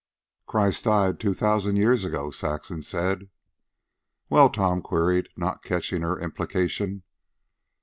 "Christ died two thousand years ago," Saxon said. "Well?" Tom queried, not catching her implication.